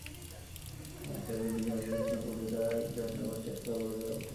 সেইজন্য বিজ্ঞানভিত্তিক বিশ্লেষণে কলিতা এক জাতি না জনগোষ্ঠী এককথায় বলে দেওয়া কঠিন।